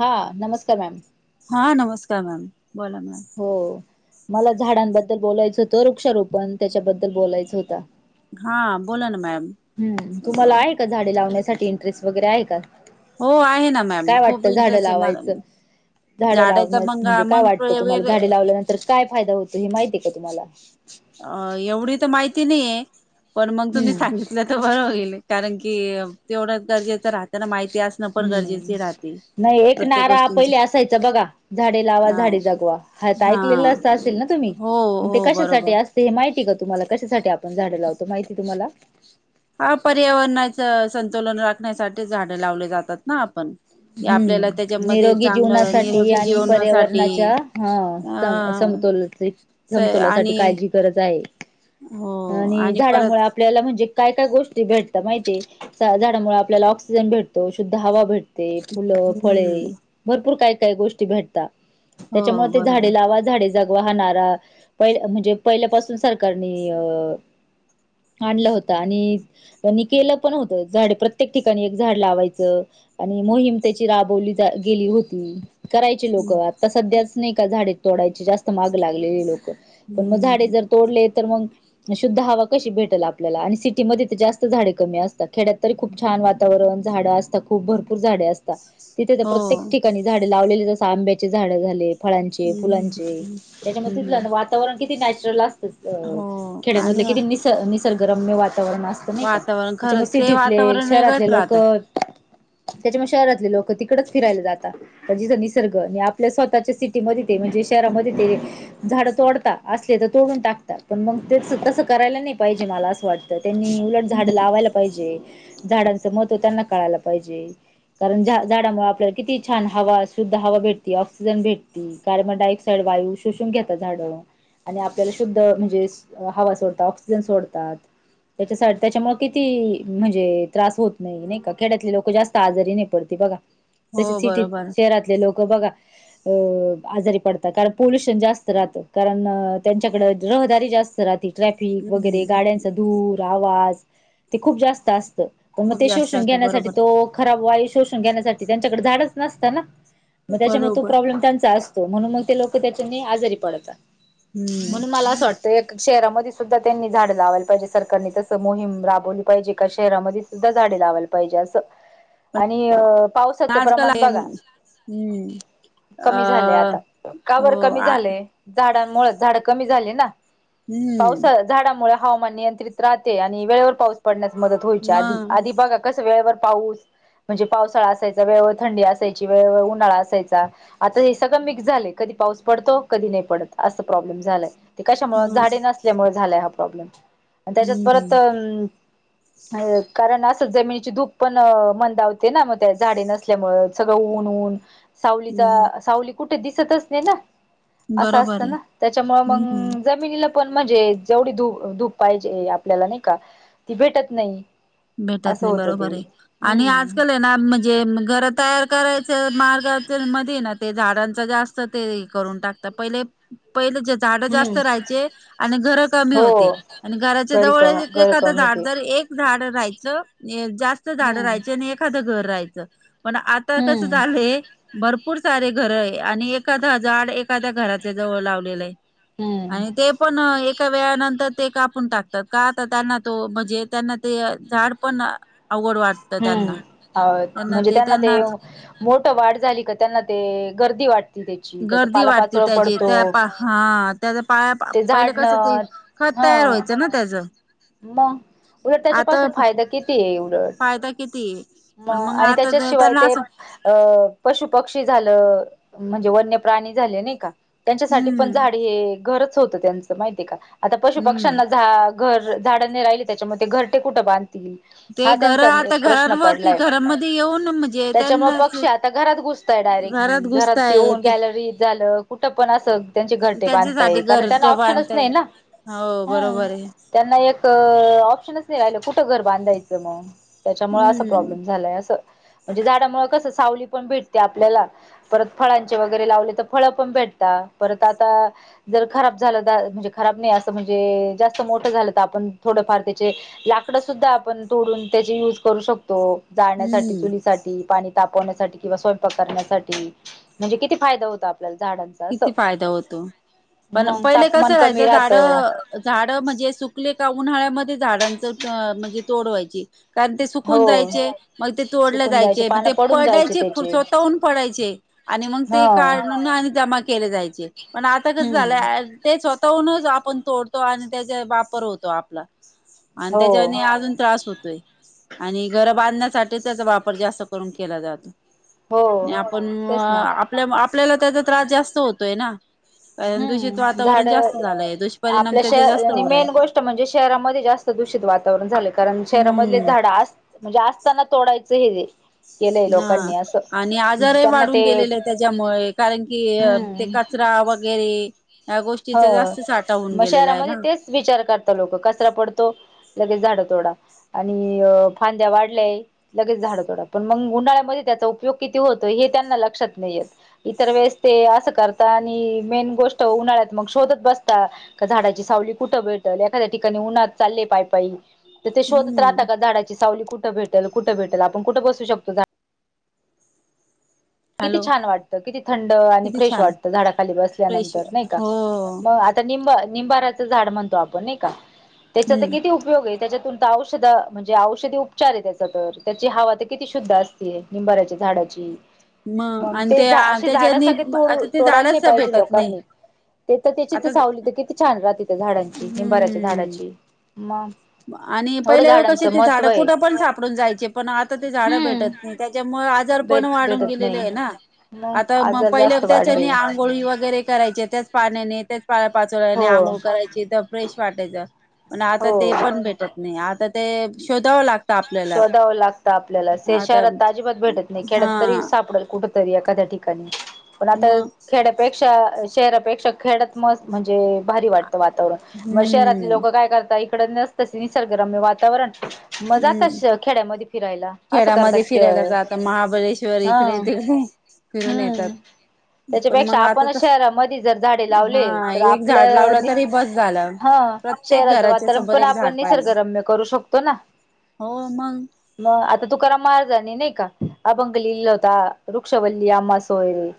हा नमस्कार मॅम का मॅम बोला मॅम. हो मला झाडांबद्दल बोलायचं होतं, वृक्षारोपण त्याच्याबद्दल बोलायचं होतं. हा बोला ना मॅम. हम्म तुम्हाला आहे का झाडे लावण्यासाठी इंटरेस्ट वगैरे आहे का? हो आहे ना मॅम काय खूप वाटतं झाडं इंटरेस्ट आहे मला लावायचं झाडं झाडाचा लावण्यास मंगा म्हणजे काय मग वाटतं तुम्हाला वेग झाडे लावल्यानंतर काय फायदा होतो हे माहिती आहे का तुम्हाला? अ एवढी तर माहिती नाहीय, पण मग तुम्ही हम्म सांगितलं तर बरं होईल. कारण की तेवढं गरजेचं राहतना माहिती असणं पण हम्म गरजेची राहते. नाही, एक प्रत्येक नारा गोष्टींची पहिले असायचा बघा, झाडे लावा हा झाडे जगवा. आता हा ऐकलेलं असं असेल ना त तुम्ही हो ते हो कशासाठी बरोबर असते हे माहिती का तुम्हाला? कशासाठी आपण झाडे लावतो माहितीये तुम्हाला? हा पर्यावरणाचं संतुलन राखण्यासाठी झाड लावली जातात ना आपण. की हम्म, आपल्याला त्याच्यामध्ये निरोगी चांगलं जीवनासाठी निरोगी आणि जीवनासाठी पर्यावरणाच्या हं स असं अ समतोलाचे स समतोलासाठी आणि काळजी गरज आहे. हो आणि झाडामुळ आपल्याला म्हणजे काय काय गोष्टी भेटतात माहितीये? झाडामुळे आपल्याला ऑक्सिजन भेटतो, शुद्ध हवा भेट ते फुलं, फळे हम्म भरपूर काय काय गोष्टी भेटतात. हो त्याच्यामुळे ते बरोबर झाडे लावा झाडे जगवा हा नारा पही म्हणजे पहिल्यापासून सरकारनी अ आणलं होतं, आणि कोणी केलं पण होतं, झाड प्रत्येक ठिकाणी एक झाड लावायचं. आणि मोहीम त्याची राबवली गेली होती. करायची लोक आता सध्याच नाही का झाडे तोडायची जास्त मागं लागलेली लोकं पण मग झाडे हम्म जर तोडले तर मग, शुद्ध हवा कशी भेटेल आपल्याला आणि सिटीमध्ये तर जास्त झाडे कमी असतात खेड्यात तरी खूप छान वातावरण झाडं असतात खूप भरपूर झाडे असतात. तिथे तर हो प्रत्येक ठिकाणी झाडे लावलेले जसं आंब्याचे झाडं झाले फळांचे, हम्म फुलांचे त्याच्यामध्ये हम्म तिथलं वातावरण किती नॅचरल असतं... अ हो खेड्यांमध्ये आणि किती निस... निसर्गरम्य वातावरण वातावरण असत नाही का वातावरण त्याच्या म खरंच ते सिटीतले वातावरण वेगळंच शहरातले राहतं लोकं त्याच्यामुळे शहरातले लोकं तिकडच फिरायला जाता, म्हणजे जे निसर्ग नि आपल्या स्वतःच्या सिटीमध्ये ते जे शहरामध्ये ते झाडं तोडता, असले तर तोडून टाकता, पण मग ते तसं करायला नाही पा काही जनाला असं वाटत त्यांनी उलट झाड हम्म लावायला पाहिजे झाडांचं महत्त्व त्यांना कळायला पाहिजे. पाहिजे कारण झा झाडामुळे आपल्याला किती छान हवा शुद्ध हवा भेटते ऑक्सिजन भेटती. कार्बनडायऑक्साइड वायू शोषून घेता झाडं. आणि आपल्याला शुद्ध म्हणजे हवा सोडतात, ऑक्सिजन सोडतात. त्याच्यासा त्याच्यामुळे किती म्हणजे त्रास होत नाही, नाही का? खेड्यातले लोक जास्त आजारी नाही पडते बघा हो तसे सिटीत बरोबर शहरातले लोक [unintelligible] बघा अ आजारी पडता, कारण पोल्युशन जास्त राहत कारण त्यांच्याकडं रहदारी जास्त राहते ट्रॅफिक वगैरे हम्म गाड्यांचा धूर, आवाज. ते खूप जास्त असत पण मग खूप ते जास्त शोषण असत घेण्यासाठी बरोबर तो खराब वाय शोषुन घेण्यासाठी त्यांच्याकड झाडच नसत ना म त्याच्यामुळे तो बरोबर प्रॉब्लेम त्यांचा अस म्हणून म ते लोक त्याच्यानी आजारी पडतात, हम्म म्हणून मला असं वाट तर एक शहरामध्ये सुद्धा त्यांनी झाडं लावायला पाहिजे सरकारने तसं मोहीम राबवली पाहिजे का शहरामध्ये झाडे लावाला पाहिजे असं आणि पावसाचं आजकाल प्रमाण आहे. बघा हम्म कमी झालय आता, अ का हो बर कमी आ झालय? झाडां होय, झाडं कमी ना हम्म पावसा झाडमुळ हवामान नियंत्रित राहते आणि वेळेवर पाऊस पडण्यास मदत होयच्या आधी आधी मग बगा वेळेवर पाऊस म्हणजे पावसाळा असायचा वेळेवर थंडी असायची, वेळेवर उन्हाळा असयचा, आता हे सगळ मिक्स झालंय. कधी पाऊस पडतो कधी नाही पडत असं प्रॉब्लेम झालाय. ते कशामुळे मग झाडे नसल्यामुळे झालाय हा प्रॉब्लेम त्याच्यात परत हम्म अं कारण अस जमीन धूप पण मंदावते ना मग त्या झाडे नसल्यामुळे सगळं ऊन ऊन हम्म सावलीचा सावली कुठे दिसतच नाही ना असं बरोबर असतं आहे ना त्याच्यामुळे हम्म मग जमिनीला पण म्हणजे जेवढी ू धूप पाहिजे आपल्याला नाही का ती भेटत नाही भेटत असं नाही होतं बरोबर ते बर आणि हम्म आजकाल आहे ना म्हणजे घर तयार करायचं मार्गाच्या मध्ये ना ते झाडांच जास्त ते करून टाकत पहिले पहि झाड जास्त हम्म राहायचे आणि घर कमी हो होते आणि घराच्या घरी क जवळ घर एखा कमी झाड होते एक झाड राहायचं जास्त झाड हम्म राहायच आणि एखाद घर राहायचं पण आता कसं हम्म झालंय भर पूर सारे घर आहे आणि एखादाड एखाद्या घराातल्या जवळ लावलेलं आहे हम्म आणि ते पण एक एका वेळ नंतर ते कापून टाकतात काता त्यांना तो म्हणजे त्यांना ते झाड पण अवघड वाटत हम्म त्यांना म्हणजे त्यांना ते मोठ वाढ झाली का त्यांना ते गर्दी वाटते गर्दी वाटते त्याची त्या पा हा त्या पाया ते पहिले झाड न कस ते हा तयार व्हायचं ना त्याच मग उलट आता त्याच्यापासून फायदा किती आहे उलट फायदा किती आहे म पण मग आणि आता त्याच्याशिवाय त्यांना ते असं अं पशु पक्षी झालं म्हणजे वन्य प्राणी झाले नाही का त्यांच्यासाठी पण हम्म झाडे हे घरच होतं त्यांचं माहिती आहे का आता पशु हम्म पक्ष्यांना झा घर झाडंने राहिली त्याच्यामध्ये ते घर ते कुठं बांध हा ते घर त्यांचा आता प्रश्न घरांवरती डय घरामध्ये येऊन म्हणजे त्याच्यामुळे त्यांना पक्षी आता घरात घुसताय घरात डायरेक्टली घुसताय घरातऊन ते कॅलरी झालं कुठं पण अस त्यांचे घरटे बांधता ये त्यांच्यासाठी कारण घर त्यांना ऑप्शनच बांधताय नाही ना हो हम्म बरोबर आहे त्यांना एक ऑप्शनच नाही राहिलं कुठं घर बांधायचं मग त्याच्यामुळे असं हम्म प्रॉब्लेम झालाय अस म्हणजे झाडामुळे कस सावली पण भेटते आपल्याला परत फळांचे वगैरे लावले तर फळ पण भेटते आता जर खब झा म्हणजे खब नाही अस म्हणजे जास्त मोठ झालं थोडफार त्याचे लाकड सुद्धा आपण तोडून त्याचे युज करू शकतो जाळण्यासाठी हम्म चुलीसाठीठी पाणी तापण्यासाठी किंवा स्वयंपाकण्यासाठी म्हणजे किती फायदा होत किती फायदा होतो पण मग पहिले तापमान कसं कमी राहायचं राहत झाड झाड म्हणजे सुकले का उन्हाळ्यामध्ये झाडांच म्हणजे तोडवायची कारण ते सुकून हो जायचे मग ते चोडलं सुकून जायचे मग पानं ते पडून जायचे पडायचे त्याचे स्वतःहून पडायचे आणि मग हा ते काढ आणि जमा केले जायचे पण आता कस हम्म झालंय ते स्वतः नच आपण तोडतो आणि त्याचा वापर होतो आपला आणि हो त्याच्याने अजून त्रास होतो आणि घर बांधण्यासाठी त्याचा वापर जास्त करून केला जातो हो आणि आपण तेच ना आपल्या आपल्याला त्याचा त्रास जास्त होतोय ना ह कारण ना दूषित हम्म वातावरण झाड जास्त झालंय दुष्परिणाम आपल्या श त्याचे जास्त आणि होऊ राहिले मेन गोष्ट म्हणजे शहरामध्ये जास्त दूष वातावरण झालं कारण शहरामधले हम्म झाड म्हणजे असताना तोडायचं हे केलंय ह लोकांनी असं आणि आजारही त्यांना वाढून ते गेलेले आहे त्याच्यामुळे कारण की ते कचरा वगैर घरी ह मग आहे ना शहरामध्ये तेच विचार करतात लोक कचरा पडतो लगेच झाड तोडा आणि फांद्या वाढल्याय लगेच झाड तोडा पण मग उुंडाळ्यामध्ये पय कती होत त्यांना लक्षात नाही इतर वेळेस अस करत आणिेन गो तोणार मग शोधत बसता का झाडाची सावली कुठे भेटल एखाद्या ठिकाणी उन्हात चालले पायपाय तर ते शोधत राहता हम्म का झाडाची सावली कुठे भेटेल कुठे भेटेल आपण कुठं बसू शकतो झा किती हॅलो छान वाटतं किती थंड आणि किती फ्रेश छान वाटतं झाडाखाली फ्रेश बसल्यानंतर नाही का हो मग आता निंबा निंबाराच झाड म्हणतो आपण नाही का त्याचा तर हम्म किती उपयोग आहे त्याच्यातून तर औषध म्हणजे औषधी उपचार आहे त्याचा तर त्याची हवा तर किती शुद्ध असते निंबाऱ्याच्या झाडाची मग आणि ते असे झाड त्याच्यानी सगळे तोड आता ते तोडायला नाही झाडच पाहिजे भेटत नाही लोकांनी ते तर त्याची तर आता सावलीत किती छान राहते त्या झाडांची निंबाऱ्याच्या हम्म झाडाची मग आणि एवढं पहिले क झाडांचं ते महत्त्व झाडं आहे कुठं पण सापडून जायचे पण आता ते झाडं भेटत हम्म नाही त्याच्यामुळे आजार पण भेट वाढून भेटत नाही गेले मग आता म आजार पहिले जास्त त्याच्या वाढले आंघोळी वगैरे करायची त्याच पाण्याने त्याच पाचोने हो आंघळ करायची तर फ्रेश वाटायच पण आता ते हो पण भेटत नाही आता ते शोधावं लागत शोधावं लागतं आपल्याला श आता शहरात अजिबात भेटत नाही हा खेड्यात तरी सापडल कुठ खाद्या ठिकाणी पण आता मग खेड्यापेक्षा शहरापेक्षा खेड्या त मस्त म्हणजे भारी वाटतं वातावरण मग शहरातले हम्म लोक काय करताय निसर्गरम वातावरण मजात हम्म खेड्यामध्ये फिरायला असं खेड्यामध्ये करतात फिरायला जात महाबळेश्वर हा इकडे तिकडे फिरून येतात हम्म पण त्याच्यापेक्षा मग आता आपणच तर शहरामध्ये जर झाडे लावले हा तर एक झाड आपल्या लावलं नि तरी बस झालं. ह प्रत्येक शहराचं घराच्या वातावरण समोर पण एक झाड आपण पाहिजे. निसर्गरम्य करू शकतो ना हो मग मग आता तू करा मारजणे नाही का अभंग लिहिला होता वृक्षवल्ली आममा सोयरे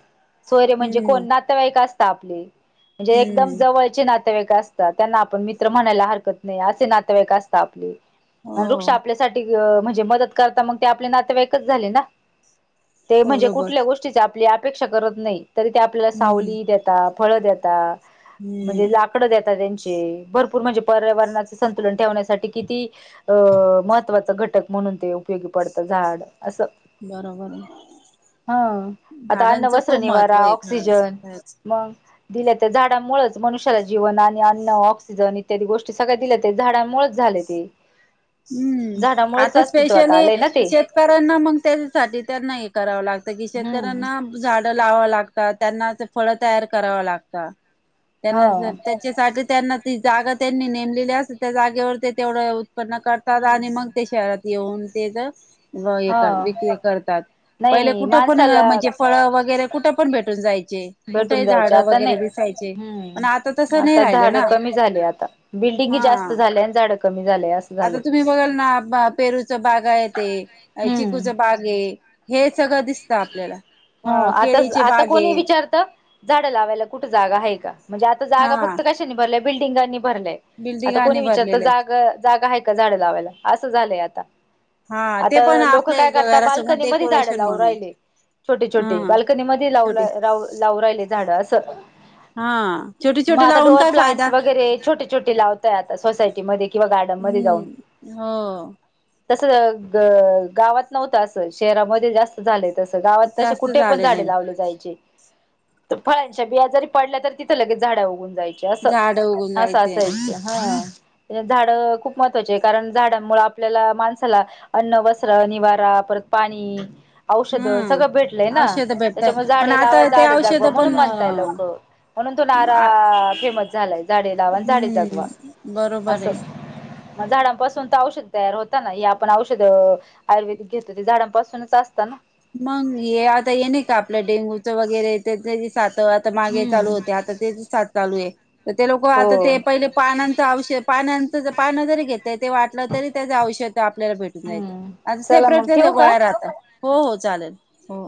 सोयरे म्हणजे कोण हम्म नातेवाईक असत आपली म्हणजे एकदम हम्म जवळची नात नातेवाईक असतात त्यांना आपण मित्र म्हणायला हरकत नाही असे नातेवाईक असतात आपले हो साठी म्हणजे मदत करता मग ते आपले नातेवाईकच झाले ना ते म्हणजे बरोबर कुठल्या गोष्टीचे आपली अपेक्षा करत नाही तरी ते आपल्याला हम्म सावली देतात फळ देात म्हणजे हम्म लाकड देात त्यांची भपूर म्हणज पर्याणा संतुलं ठेवण्यासाठी किती महत्त्वाच घटक म्हणून ते उपयोगी पडतं झाड बरोबर आहे हम आता अन्न झाडांचं वस्त्र खूप महत्त्व निवारा आहे खरंच ऑक्सिजन खरंच मग दिल्या त्या झाडामुळेच मनुष्याला जीवन आणि अन्न ऑक्सिजन इत्यादी गोष्टी सगळ्या दिल्यात झाडामुळेच झा झाले ते हम्म झाडामुळेच आता अस्तित्वात स्पेशली आलंय ना ते शेतकऱ्यांना मग त्याच्यासाठी त्यांना हे करावं लागत की हम्म शेतकऱ्यांना झाडं लावाव लागतात त्यांनाच फळ तयार करावं लागतात हा त्यांना त्याच्यासाठी त्यांना ती जागा त्यांनी नेमलेली अस त्या जागेवर ते तेवढं करतात आणि हम्म मग ते शहरात येऊन तेच हे कर हा विक्री करतात पहिले नाही कुठं पण माणसाला म्हणजे फळं वगैरे कुठे पण भेटून जाात भटून जायचे आता नाही पण आता हम्म तसं नाही आता राहिलं झाड ना कमी झाली आता बिल डेंगी जास्त हा. झाल्या झाड आता तुम्ही बघाल ना पेरूचा बागा आहे ते चिकूच हम्म बाग आहे हे सगळं दिसतं हो आपल्याला आता केळीचे आता बागे कोणी विचारत झाडं लावायला कुठे जागा आहे का म्हणजे आता हा जागा फक्त कशा नि भरल्या बिल्डिंगा नि भरलंय आता बिल्डिंगाने कोणी विचारत भरलेल्या जाग जागा आहे का झाडं लावायला असं झालंय आता हा ते आता पण लोक आपल्या काय करतात घरासमोर बालकणी मधच डेकोरेशन लावू म्हणून राहिले छोटे छोटे हा बाल्कनी मध्ये लाव छोटी लावू राहिले झाड असं हा छोटे मग छोटे आता लावून डोअर काय फायदा प्लांटस वगैरे छोटे छोटे लावताय आता सोसायटी मधे किंवा- गार्डन हम्म. हं. तस ग गावात नव्हतं असं शहरामध्ये जास्त झालय. तस गावात तस जास्त कुठे पण झालेलं झाडे आहे लावले जायचे. फळांच्या बिया जरी पडल्या तरी तिथं लगेच झाडा उगून अस झाड उघून अस जायचे असाय हं [unintelligible] झाड खूप महत्त्वाची आहे. कारण झाडांमुळे आपल्याला, माणसाला अन्न वस्त्र निवारा परत पाणी औषध सगळं भेटलंय हम्म ना? औषध भेटतात त्याच्यामुळे, पण झाडे लावा आता ते झाडे औषध जगवा म्हणून पण म्हणताय लोक. म्हणून तो हम्म नारा- फेमस- झालाय झाडे लावा आणि झाडे जगवा बरोबर आहे असं झाडांपासून तर औषध तयार होता ना? हे आपण औषध आयुर्वेदिक घेतो ते झाडांपासूनच अस मग? हे आता ये नाही का? आपलं डेंगूचं वगैरे साथ आता मागे चालू हम्म. होते. आता तेच साथ चालूये. तर ते लोक हो. आता ते, पहिले पानांचं औष पानांचं पान जरी घेतय ते वाटलं तरी त्याच औष- आपल्याला भेटून जाईल. हम्म. आ चला मग सेपरेट ठेवू का? गोळ्या राहता हो हो चालेल. हो.